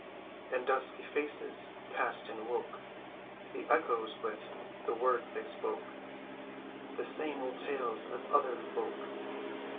And dusky faces passed and woke The echoes with the words they spoke— —The same old tales as other folk.